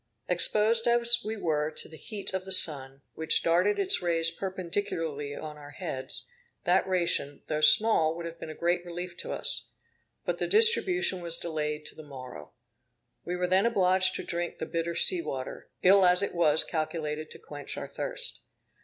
Exposed as we were to the heat of the sun, which darted its rays perpendicularly on our heads, that ration, though small would have been a great relief to us; but the distribution was delayed to the morrow. We were then obliged to drink the bitter sea water, ill as it was calculated to quench our thirst.